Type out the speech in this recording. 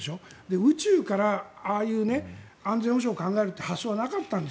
宇宙からああいう安全保障を考えるって発想はなかったんです。